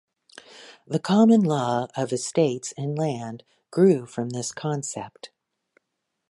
The common law of estates in land grew from this concept.